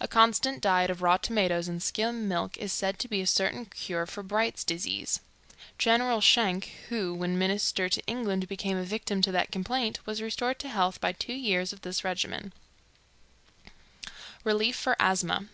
A constant diet of raw tomatoes and skim milk is said to be a certain cure for Bright's disease. Gen. Schenck, who, when Minister to England, became a victim to that complaint, was restored to health by two years of this regimen. Relief for Asthma.